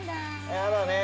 やだねえ。